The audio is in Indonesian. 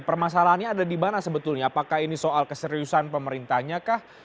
permasalahannya ada di mana sebetulnya apakah ini soal keseriusan pemerintahnya kah